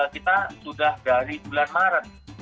kita sudah dari bulan maret